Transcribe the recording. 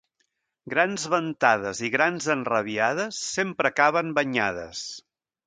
Grans ventades i grans enrabiades sempre acaben banyades.